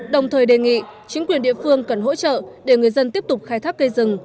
đồng thời đề nghị chính quyền địa phương cần hỗ trợ để người dân tiếp tục khai thác cây rừng